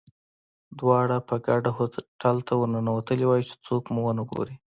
دواړه په ګډه هوټل ته ورننوتي وای، چې څوک مو ونه ګوري.